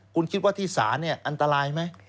คุณคิดว่าที่ศาลอันตรายไหม